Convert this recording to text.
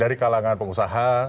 dari kalangan pengusaha